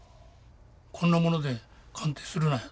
こんなもので鑑定するなよと。